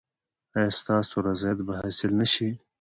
ایا ستاسو رضایت به حاصل نه شي؟